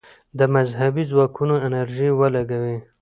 د مذهبي ځواکونو انرژي ولګوي.